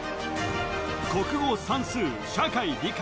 国語算数社会理科